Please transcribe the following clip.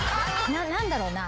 何だろうな。